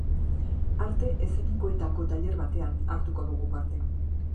Arte eszenikoetako tailer batean hartuko dugu parte.